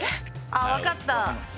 あ分かった。